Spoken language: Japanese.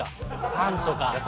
パンとか。